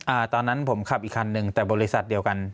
อ่าตอนนั้นผมขับอีกคันหนึ่งแต่บริษัทเดียวกัน